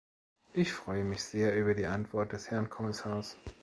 Ich freue mich sehr über die Antwort des Herrn Kommissars.